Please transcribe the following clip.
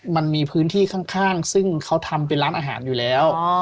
มันมีพื้นที่ข้างซึ่งเขาทำเป็นร้านอาหารอยู่แล้ว